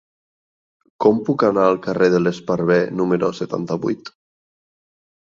Com puc anar al carrer de l'Esparver número setanta-vuit?